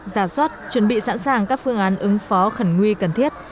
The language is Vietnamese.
giả soát chuẩn bị sẵn sàng các phương án ứng phó khẩn nguy cần thiết